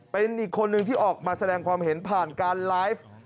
เป็นอีกคนนึงที่ออกมาแสดงความเห็นผ่านการไลฟ์